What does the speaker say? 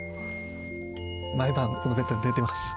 毎晩このベッドで寝てます。